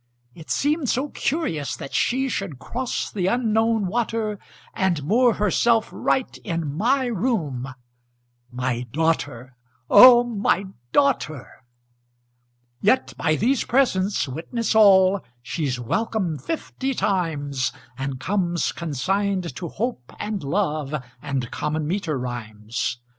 It seemed so curious that she Should cross the Unknown water, And moor herself right in my room, My daughter, O my daughter! Yet by these presents witness all She's welcome fifty times, And comes consigned to Hope and Love And common meter rhymes.